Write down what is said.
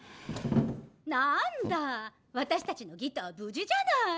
何だわたしたちのギター無事じゃない！